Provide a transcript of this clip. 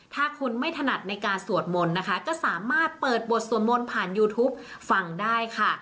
ถ้าคุณไม่ถนัดในการสวดมนต์นะคะก็สามารถเปิดบทสวดมนต์ผ่านยูทูปฟังได้ค่ะ